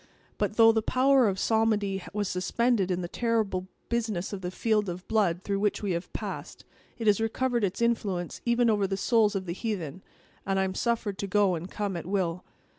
But, though the power of psalmody was suspended in the terrible business of that field of blood through which we have passed, it has recovered its influence even over the souls of the heathen, and I am suffered to go and come at will."